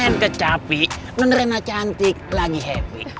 nenek kecapi nonrena cantik lagi happy